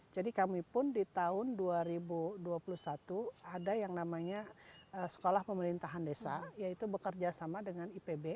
jadi kami pun di tahun dua ribu dua puluh satu ada yang namanya sekolah pemerintahan desa yaitu bekerja sama dengan ipb